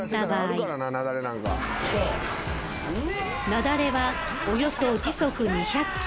［雪崩はおよそ時速２００キロ］